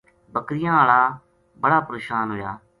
بکریاں ہالا بڑا پریشان ہویا۔